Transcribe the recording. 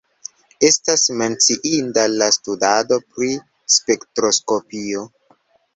Estas menciinda la studado pri spektroskopio.